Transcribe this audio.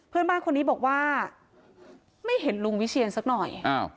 เพื่อนบ้านคนนี้บอกว่าไม่เห็นลุงวิเชียนสักหน่อย